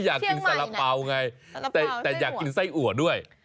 อยากกินสาระเป๋าไงแต่อยากกินไส้อัวด้วย